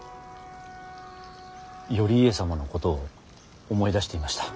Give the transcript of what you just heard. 頼家様のことを思い出していました。